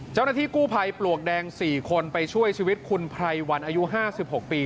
เจ้าหน้าที่กู้ภัยปลวกแดงสี่คนไปช่วยชีวิตคุณพรายวันอายุห้าสิบหกปี